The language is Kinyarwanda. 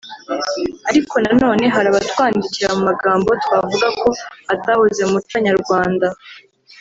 Ariko na none hari abatwandikira mu magambo twavuga ko atahoze mu muco nyarwanda